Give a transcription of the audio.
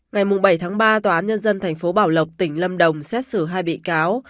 ngày bảy tháng ba tòa án nhân dân tp bảo lộc tỉnh lâm đồng xét xử hai bị cáo